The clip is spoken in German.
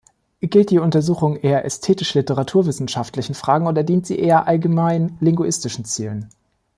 Gilt die Untersuchung eher ästhetisch-literaturwissenschaftlichen Fragen oder dient sie eher allgemein linguistischen Zielen?